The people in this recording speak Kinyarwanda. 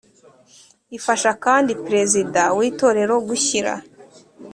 Ifasha kandi Prezida w Itorero gushyira